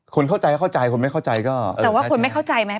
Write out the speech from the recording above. คนเข้าใจเข้าใจคนไม่เข้าใจก็แต่ว่าคุณไม่เข้าใจไหม